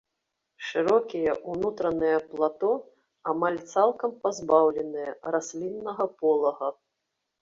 Шырокія ўнутраныя плато амаль цалкам пазбаўленыя расліннага полага.